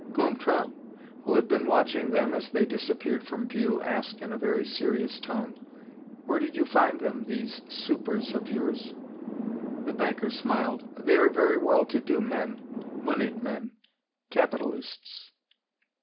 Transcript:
Gontran, who had been watching them as they disappeared from view, asked in a very serious tone: "Where did you find them, these 'supers' of yours?" The banker smiled: "They are very well to do men, moneyed men, capitalists."